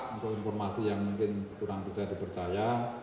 untuk informasi yang mungkin kurang bisa dipercaya